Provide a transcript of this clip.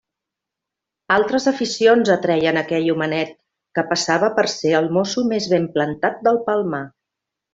Altres aficions atreien aquell homenet, que passava per ser el mosso més ben plantat del Palmar.